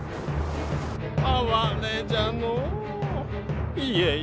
哀れじゃのう家康。